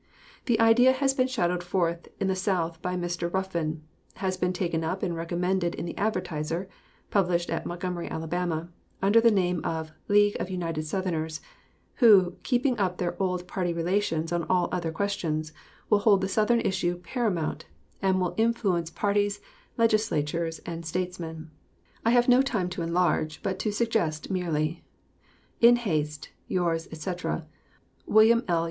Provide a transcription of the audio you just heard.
The idea has been shadowed forth in the South by Mr. Ruffin; has been taken up and recommended in the "Advertiser" (published at Montgomery, Alabama), under the name of "League of United Southerners," who, keeping up their old party relations on all other questions, will hold the Southern issue paramount, and will influence parties, legislatures, and statesmen. I have no time to enlarge, but to suggest merely. In haste, yours, etc., WM. L.